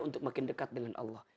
untuk makin dekat dengan allah